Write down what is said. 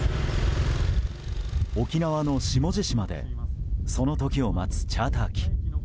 沖縄の下地島でその時を待つチャーター機。